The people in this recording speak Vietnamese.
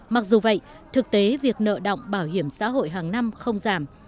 mặc dù vậy thực tế việc nợ động bảo hiểm xã hội hàng năm không giảm